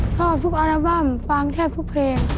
ชอบทุกอัลบั้มฟังแทบทุกเพลง